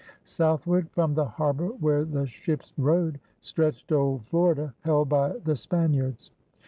Southward from the harbor where the ships rode, stretched old Florida, held by the Span iards.